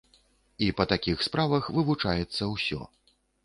І па такіх справах вывучаецца ўсё.